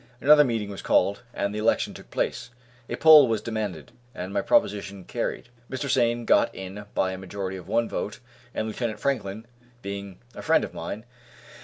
Another meeting was called, and the election took place; a poll was demanded, and my proposition carried. Mr. Sain got in by a majority of one vote, and Lieutenant Franklin, being a friend of mine.